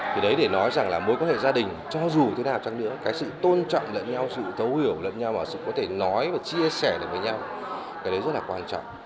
thì đấy để nói rằng là mối quan hệ gia đình cho dù thế nào chẳng nữa cái sự tôn trọng lẫn nhau sự thấu hiểu lẫn nhau và có thể nói và chia sẻ được với nhau cái đấy rất là quan trọng